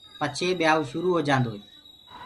پچهي ٻيايوُ شُرو هوجآندو هي۔